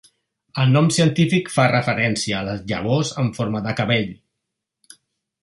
El nom científic fa referència a les llavors en forma de cabell.